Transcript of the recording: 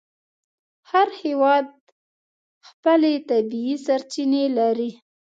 هر هېواد خپلې طبیعي سرچینې لري.